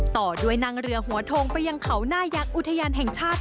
ต่อด้วยนั่งเรือหัวโทงไปยังเขาหน้ายักษ์อุทยานแห่งชาติ